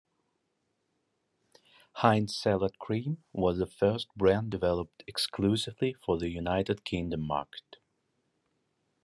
Heinz Salad Cream was the first brand developed exclusively for the United Kingdom market.